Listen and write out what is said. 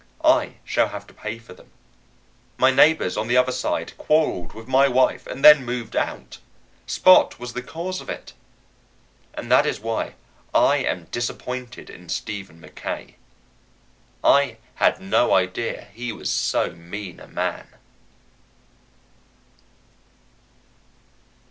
I shall have to pay for them. My neighbors on the other side quarreled with my wife and then moved out. Spot was the cause of it. And that is why I am disappointed in Stephen Mackaye. I had no idea he was so mean a man.